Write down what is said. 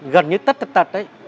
gần như tất tật tật ấy